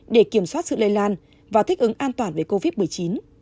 để kiểm soát sự lây lan và thích ứng an toàn về covid một mươi chín